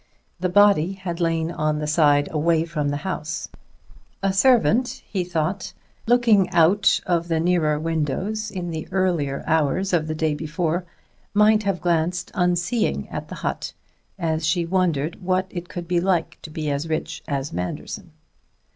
The body had lain on the side away from the house; a servant, he thought, looking out of the nearer windows in the earlier hours of the day before, might have glanced unseeing at the hut, as she wondered what it could be like to be as rich as Manderson.